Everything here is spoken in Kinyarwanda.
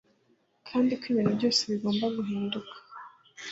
Kandi ko ibintu byose bigomba guhinduka